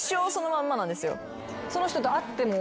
その人と会っても？